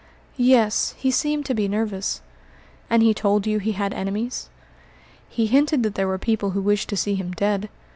"Yes, he seemed to be nervous." "And he told you he had enemies?" "He hinted that there were people who wished to see him dead.